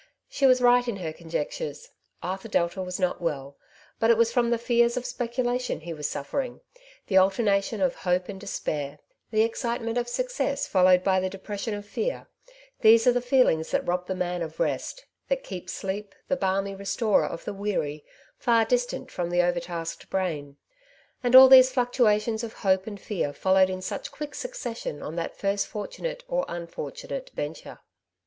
She was right in her conjectures. Arthur Delta was not well ; but it was from the fears of specula tion he was suffering. The alternation of hope and despair, the excitement of success followed by the depression of fear — these are the feelings that rob the man of rest, that keep sleep, the balmy re storer of the weary, far distant from the over tasked brain ; and all these fluctuations of hope and fear followed in such quick succession on that first fortunate or unfortunate venture.